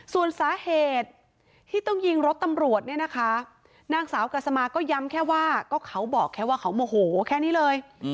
ส่วนสาเหตุที่ต้องยิงรถตำรวจเนี่ยนะคะนางสาวกัสมาก็ย้ำแค่ว่าก็เขาบอกแค่ว่าเขาโมโหแค่นี้เลย